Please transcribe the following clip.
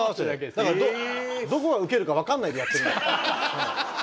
だからどこがウケるかわかんないでやってるんで。